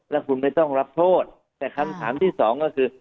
แล้วคุณไม่ต้องรับโทษแต่คำถามที่สองก็คือ